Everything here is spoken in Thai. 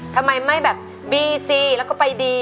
ทำไมไม่แบบบีซีแล้วก็ไปดี